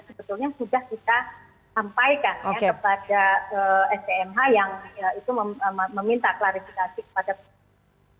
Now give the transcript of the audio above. sebetulnya sudah kita sampaikan kepada spmh yang itu meminta klarifikasi kepada pemerintah